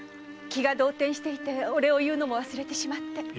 気が動転していてお礼を言うのも忘れてしまって。